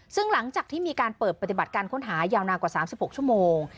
ซึ่งหลังจากที่มีการเปิดปฏิบัติการค้นหายาวนานกว่า๓๖ชั่วโมง